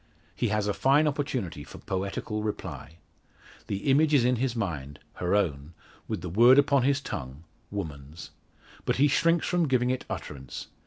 He has a fine opportunity for poetical reply. The image is in his mind her own with the word upon his tongue, "woman's." But he shrinks from giving it utterance.